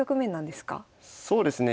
そうですね